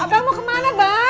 abang mau kemana bang